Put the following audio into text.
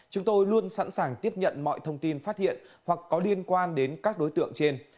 chúng tôi luôn sẵn sàng tiếp nhận mọi thông tin phát hiện hoặc có liên quan đến các đối tượng trên